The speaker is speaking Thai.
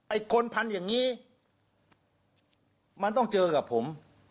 คนพันธุ์อย่างนี้มันต้องเจอกับผม